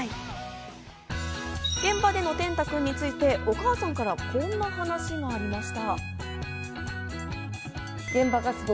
現場での天嵩君についてお母さんからはこんな話がありました。